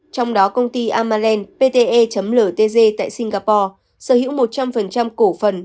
trong đó công ty amalland pte ltg tại singapore sở hữu một trăm linh cổ phần